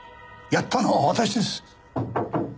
やったのは私です！